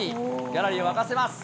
ギャラリーを沸かせます。